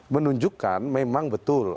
menunjukkan memang betul